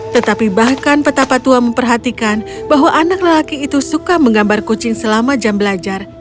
tetapi bahkan petapa tua memperhatikan bahwa anak lelaki itu suka menggambar kucing selama jam belajar